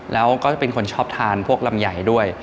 แล้วก็จะเป็นคนชอบทานพวกลำไยด้วย